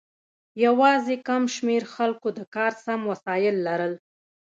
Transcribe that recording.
یوازې کم شمیر خلکو د کار سم وسایل لرل.